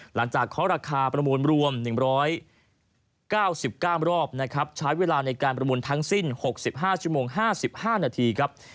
เคาะราคาประมูลรวม๑๙๙รอบนะครับใช้เวลาในการประมูลทั้งสิ้น๖๕ชั่วโมง๕๕นาทีครับ